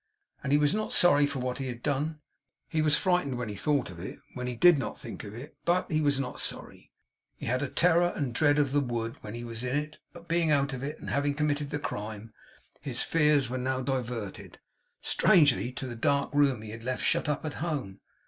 And he was not sorry for what he had done. He was frightened when he thought of it when did he not think of it! but he was not sorry. He had had a terror and dread of the wood when he was in it; but being out of it, and having committed the crime, his fears were now diverted, strangely, to the dark room he had left shut up at home.